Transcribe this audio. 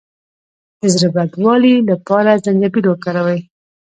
د زړه بدوالي لپاره زنجبیل وکاروئ